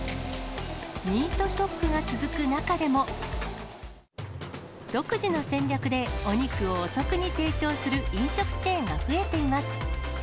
ミートショックが続く中でも、独自の戦略で、お肉をお得に提供する飲食チェーンが増えています。